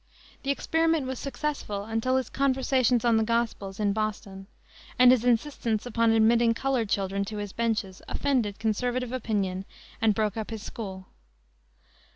The experiment was successful until his Conversations on the Gospels, in Boston, and his insistence upon admitting colored children to his benches, offended conservative opinion and broke up his school.